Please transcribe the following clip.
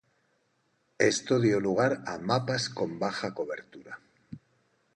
Esto dio lugar a mapas con baja cobertura.